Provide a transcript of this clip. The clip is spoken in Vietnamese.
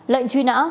lệnh truy nã